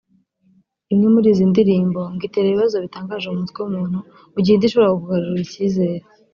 Imwe muri izi ndirimbo ngo itera ibibazo bitangaje mu mutwe w’umuntu mu gihe indi ishobora kukugarurira ikizere